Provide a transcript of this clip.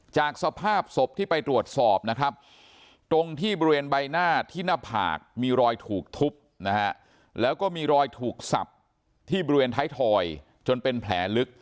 จากสภาพศพที่ไปตรวจสอบนะครับตรงที่บริเวณใบหน้าที่หน้าผากมีรอยถูกทุบนะฮะ